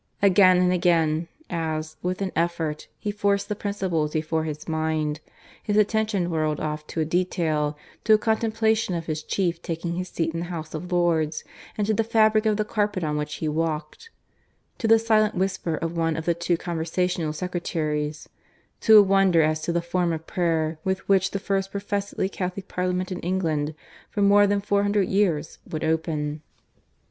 Again and again, as, with an effort, he forced the principles before his mind, his attention whirled off to a detail to a contemplation of his chief taking his seat in the House of Lords, and to the fabric of the carpet on which he walked; to the silent whisper of one of the two conversational secretaries; to a wonder as to the form of prayer with which the first professedly Catholic Parliament in England for more than four hundred years would open.